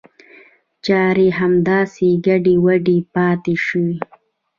چاري همداسې ګډې وډې پاته شوې.